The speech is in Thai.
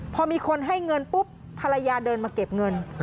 พอมีคนให้เงินปุ๊บภรรยาเดินมาเก็บเงิน